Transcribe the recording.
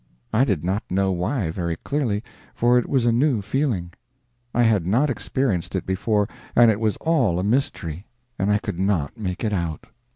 I did not know why very clearly, for it was a new feeling; I had not experienced it before, and it was all a mystery, and I could not make it out.